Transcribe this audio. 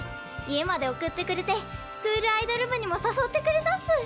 家まで送ってくれてスクールアイドル部にも誘ってくれたっす。